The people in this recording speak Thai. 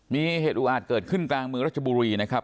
มีเหตุอุอาจเกิดขึ้นกลางเมืองรัชบุรีนะครับ